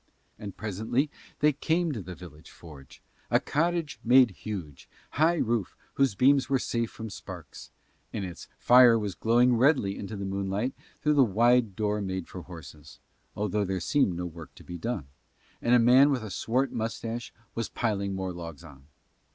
And presently they came to the village forge, a cottage with huge, high roof whose beams were safe from sparks; and its fire was glowing redly into the moonlight through the wide door made for horses, although there seemed no work to be done, and a man with a swart moustache was piling more logs on.